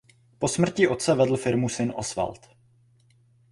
Po smrti otce vedl firmu syn Oswald.